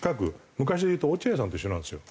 昔でいうと落合さんと一緒なんですよ。